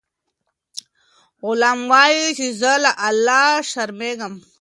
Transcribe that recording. غلام وایي چې زه له الله شرمیږم.